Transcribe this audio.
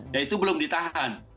dan itu belum ditahan